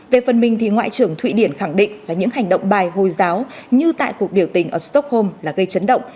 về phần mình ngoại trưởng thụy điển khẳng định là những hành động bài hồi giáo như tại cuộc biểu tình ở stockholm là gây chấn động